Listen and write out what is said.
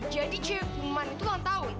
jadi cewek umman itu tahun tahun